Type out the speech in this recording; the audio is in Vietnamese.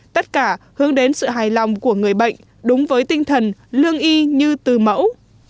tất cả hướng đến sự hài lòng của người bệnh đúng với tinh thần lương y như từ mẫu